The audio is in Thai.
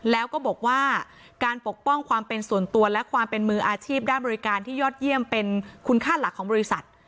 แล้วก็บอกว่าการปกป้องความเป็นส่วนตัวและความเป็นมืออาชีพด้านบริการที่ยอดเยี่ยมเป็นคุณค่าหลักของบริษัท